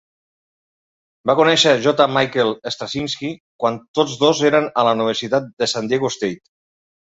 Va conèixer J. Michael Straczynski quan tots dos eren a la Universitat de San Diego State.